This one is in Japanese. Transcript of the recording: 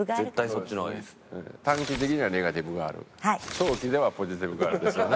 長期ではポジティブガールですよね。